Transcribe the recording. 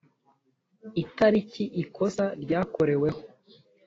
itariki ikosa ryakoreweho